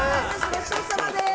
ごちそうさまです。